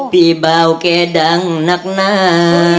พี่เบาแกดังนักหนา